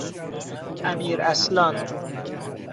امیراصلان